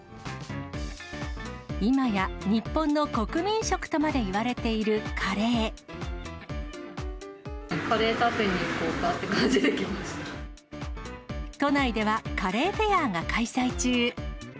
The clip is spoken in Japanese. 今や日本の国民食とまでいわカレー食べに行こうかってい都内ではカレーフェアが開催中。